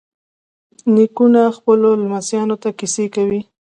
نیکونه خپلو لمسیانو ته کیسې کوي.